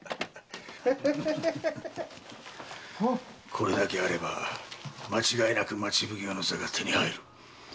これだけあれば間違いなく町奉行の座が手に入る。